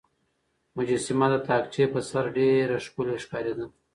مجسمه د تاقچې په سر ډېره ښکلې ښکارېده.